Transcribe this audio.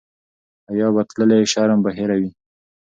حیا به تللې شرم به هېر وي.